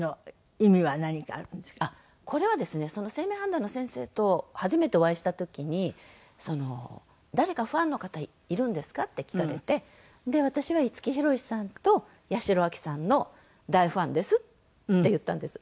これはですね姓名判断の先生と初めてお会いした時に「誰かファンの方いるんですか？」って聞かれて「私は五木ひろしさんと八代亜紀さんの大ファンです」って言ったんです。